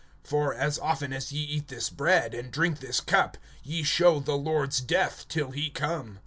(26)For as often as ye eat this bread, and drink this cup, ye show the Lord's death till he come.